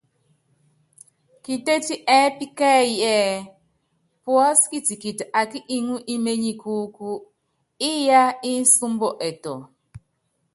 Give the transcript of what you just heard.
Kitétí ɛ́ɛ́pí kɛ́ɛ́yí ɛ́ɛ́: Puɔ́sí kitikiti akí iŋú íményikúúkú, iyaá insúmbɔ ɛtɔ.